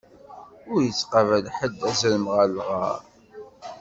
Ur ittqabal ḥedd azrem ɣeṛ lɣaṛ.